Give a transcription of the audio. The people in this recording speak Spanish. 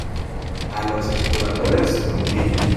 a los exploradores contigo.